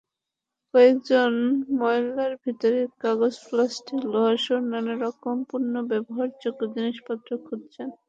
কয়েকজন ময়লার ভেতরে কগজ, প্লাস্টিক, লোহাসহ নানা রকম পুনর্ব্যবহারযোগ্য জিনিসপত্র খুঁজছেন।